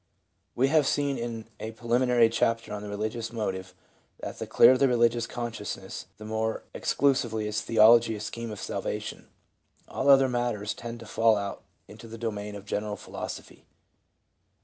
We have seen in a preliminary chapter on the Eeligious Motive that the clearer the religious consciousness, the more exclusively is theology a scheme of salvation ; all other matters tend to fall out into the domain of general philosophy.